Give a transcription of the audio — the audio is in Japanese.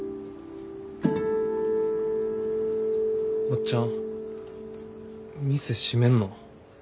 おっちゃん店閉めんの？